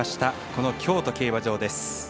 この京都競馬場です。